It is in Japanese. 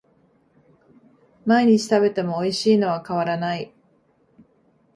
毎日食べてもおいしいのは変わらない